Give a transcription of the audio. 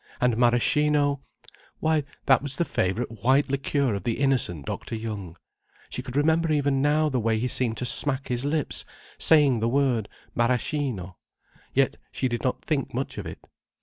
And maraschino—why, that was the favourite white liqueur of the innocent Dr. Young. She could remember even now the way he seemed to smack his lips, saying the word maraschino. Yet she didn't think much of it.